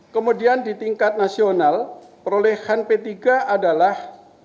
kemudian di tingkat nasional perolehan p tiga adalah